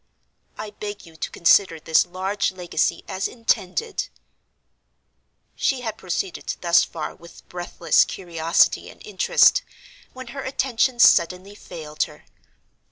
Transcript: "I beg you to consider this large legacy as intended——" She had proceeded thus far with breathless curiosity and interest, when her attention suddenly failed her.